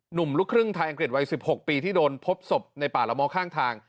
ลูกครึ่งทางอังกฤษวัย๑๖ปีที่โดนพบศพในป่าละม้อข้างทาง